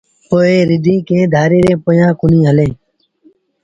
پر رڍينٚ ڪݩهݩ ڌآريٚݩ ري پويآنٚ ڪونهي هلينٚ